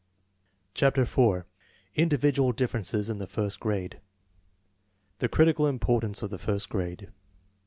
CHAPTER IV INDIVIDUAL DIFFERENCES IN THE FIRST GRADE The critical importance of the first grade.